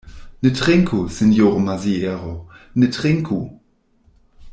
Ne trinku, sinjoro Maziero, ne trinku!